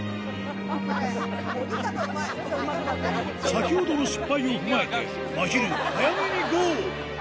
先ほどの失敗を踏まえて、まひる、早めにゴー。